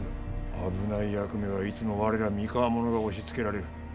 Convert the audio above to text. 危ない役目は、いつも我ら三河者が押しつけられる。